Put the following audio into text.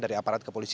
dari aparat kepolisian